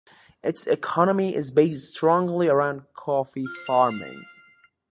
Its economy is based strongly around coffee farming.